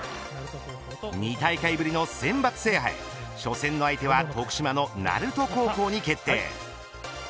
２大会ぶりの選抜制覇へ初戦の相手は徳島の鳴門高校に決定。